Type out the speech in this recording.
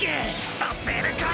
させるかよ！！